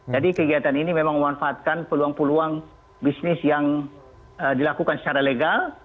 jadi kegiatan ini memang memanfaatkan peluang peluang bisnis yang dilakukan secara legal